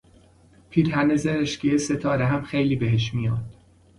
پیرهن زرشکی ستاره هم خیلی بهش میاد